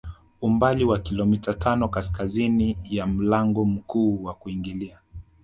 Umbali wa kilomita tano kaskazini ya mlango mkuu wa kuingilia